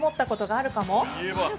◆あるかも？